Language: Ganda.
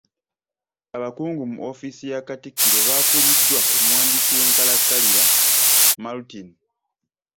Abakungu mu ofiisi ya katikkiro baakuliddwa omuwandiisi w’enkalakkalira Maltin.